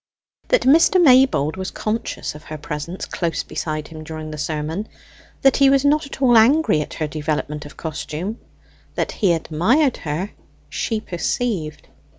That Mr. Maybold was conscious of her presence close beside him during the sermon; that he was not at all angry at her development of costume; that he admired her, she perceived.